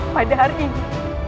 pada hari ini